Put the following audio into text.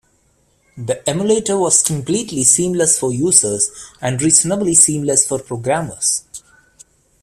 The emulator was completely seamless for users, and reasonably seamless for programmers.